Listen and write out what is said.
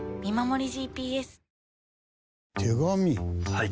はい。